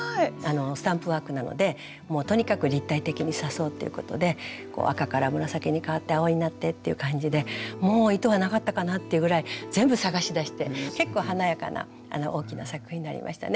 スタンプワークなのでもうとにかく立体的に刺そうっていうことで赤から紫に変わって青になってっていう感じでもう糸がなかったかなっていうぐらい全部探し出して結構華やかな大きな作品になりましたね。